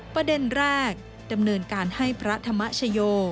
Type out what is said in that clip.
ประเด็นแรกดำเนินการให้พระธรรมชโย